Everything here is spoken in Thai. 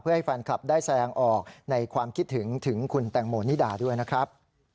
ให้แฟนคลับได้แสดงออกในความคิดถึงถึงคุณแตงโมนิดาด้วยนะครับ